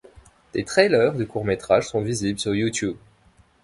Des trailers du court-métrage sont visibles sur YouTube.